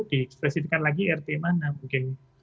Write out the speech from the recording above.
di expressifikan lagi rt mana mungkin